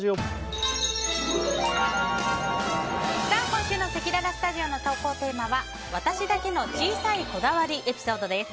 今週のせきららスタジオの投稿テーマは私だけの小さいこだわりエピソードです。